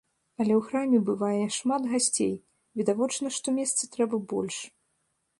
Але ў храме бывае шмат гасцей, відавочна, што месца трэба больш.